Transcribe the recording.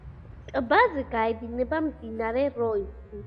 ტბაზე გაედინება მდინარე როისი.